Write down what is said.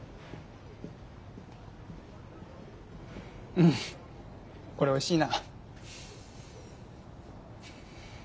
うんこれおいしいな。